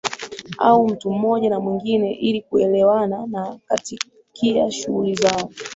Au mtu mmoja na mwingine ili kuelewana na katikia shughuli zao